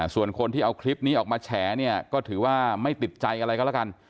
ส่วนคนที่เอาคลิปนี้ออกมาแฉเนี่ยก็ถือว่าไม่ติดใจอะไรก็แล้วกัน